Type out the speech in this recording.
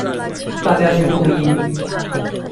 大家去錄音